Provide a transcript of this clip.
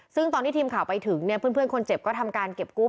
ซึ่งตอนที่ทีมข่าวไปถึงเนี่ยเพื่อนคนเจ็บก็ทำการเก็บกู้